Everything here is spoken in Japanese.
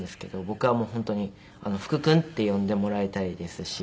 僕はもう本当に「福君」って呼んでもらいたいですし。